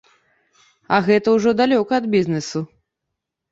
А гэта ўжо далёка ад бізнэсу.